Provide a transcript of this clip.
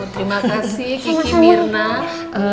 terima kasih kiki mirna